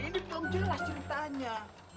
ini tolong jelas ceritanya